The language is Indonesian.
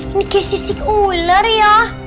ini kayak sisik ular ya